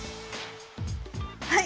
はい！